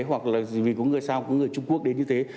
hoặc là vì có người sao có người trung quốc đến như thế